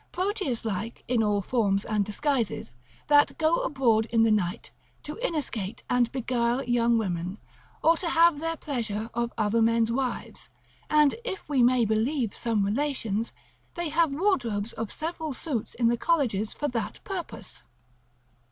Proteus like, in all forms and disguises, that go abroad in the night, to inescate and beguile young women, or to have their pleasure of other men's wives; and, if we may believe some relations, they have wardrobes of several suits in the colleges for that purpose.